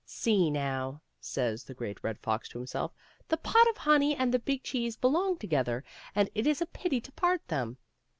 " See, now/* says the Great Red Fox to himself, " the pot of honey and the big cheese belong together, and it is a pity to part them."